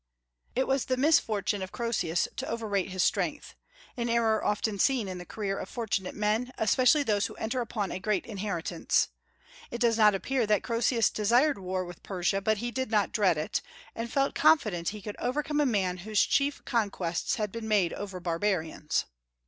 It was the misfortune of Croesus to overrate his strength, an error often seen in the career of fortunate men, especially those who enter upon a great inheritance. It does not appear that Croesus desired war with Persia, but he did not dread it, and felt confident that he could overcome a man whose chief conquests had been made over barbarians.